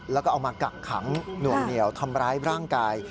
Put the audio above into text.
แล้วก็เอามากักขังหน่วงเหนียวทำร้ายร่างกาย